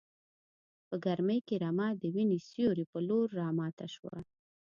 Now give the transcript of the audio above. په ګرمۍ کې رمه د وینې سیوري په لور راماته شوه.